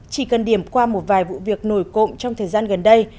chỉ cần điểm qua một vài vụ việc nổi cộng trong thời gian gần đây